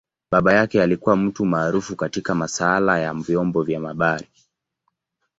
Baba yake alikua mtu maarufu katika masaala ya vyombo vya habari.